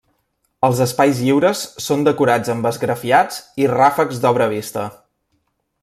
Els espais lliures són decorats amb esgrafiats i ràfecs d'obra vista.